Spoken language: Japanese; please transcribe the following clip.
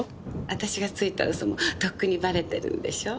あたしがついた嘘もとっくにばれてるんでしょ？